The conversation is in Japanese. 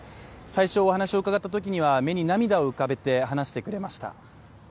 最初、お話を伺ったときには目に涙を浮かべて話してくれました。